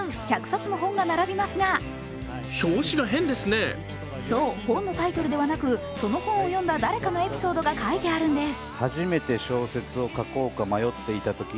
１００冊の本が並びますがそう、本のタイトルではなくその本を読んだ誰かのエピソードが書いてあるんです。